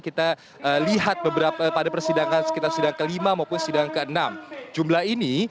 sehingga kita lihat beberapa pada persidangan sekitar sedang kelima maupun sedang keenam jumlah ini